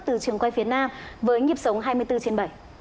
từ trường quay phía nam với nhịp sống hai mươi bốn trên bảy